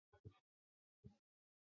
香槟穆通人口变化图示